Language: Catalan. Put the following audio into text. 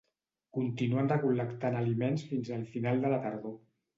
Continuen recol·lectant aliments fins al final de la tardor.